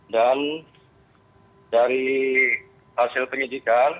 dan dari hasil penyidikan